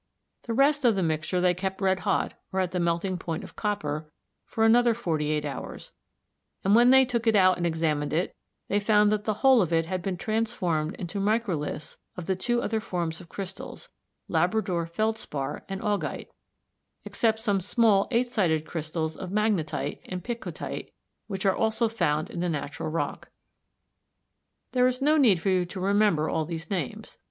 The rest of the mixture they kept red hot, or at the melting point of copper, for another forty eight hours, and when they took it out and examined it they found that the whole of it had been transformed into microliths of the two other forms of crystals, Labrador felspar and augite, except some small eight sided crystals of magnetite and picotite which are also found in the natural rock. Leucos, white; tephra, ashes. There is no need for you to remember all these names.